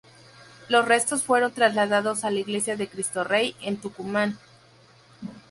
Sus restos fueron trasladados a la Iglesia de Cristo Rey en Tucumán.